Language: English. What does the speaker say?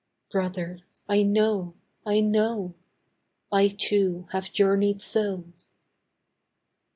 Brother, I know, I know! I, too, have journeyed so.